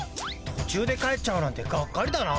とちゅうで帰っちゃうなんてがっかりだな。